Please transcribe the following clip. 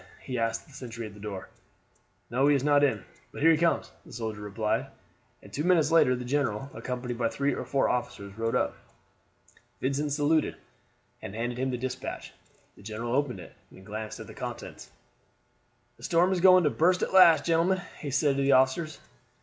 he asked the sentry at the door. "No, he is not in; but here he comes," the soldier replied, and two minutes later the general, accompanied by three or four officers, rode up. Vincent saluted, and handed him the despatch. The general opened it and glanced at the contents. "The storm is going to burst at last, gentlemen," he said to the officers.